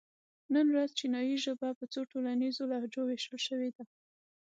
نن ورځ چینایي ژبه په څو ټولنیزو لهجو وېشل شوې ده.